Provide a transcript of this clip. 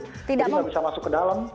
jadi nggak bisa masuk ke dalam